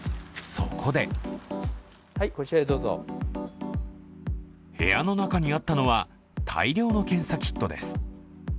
そこで部屋の中にあったのは、大量の検査キットです。